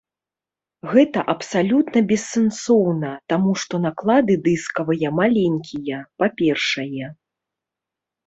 Гэта абсалютна бессэнсоўна, таму што наклады дыскавыя маленькія, па-першае.